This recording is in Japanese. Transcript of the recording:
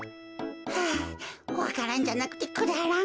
はあわか蘭じゃなくてくだらん。